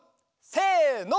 せの。